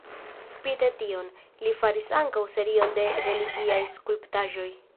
Spite tion, li faris ankaŭ serion de religiaj skulptaĵoj.